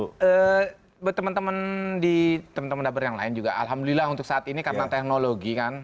tapi temen temen di temen temen dapur yang lain juga alhamdulillah untuk saat ini karena teknologi kan